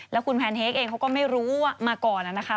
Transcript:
แล้วคุณแพนเค้กเองเขาก็ไม่รู้มาก่อนนะคะ